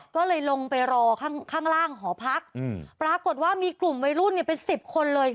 ก็เลยลงไปรอข้างข้างล่างหอพักปรากฏว่ามีกลุ่มวัยรุ่นเป็นสิบคนเลย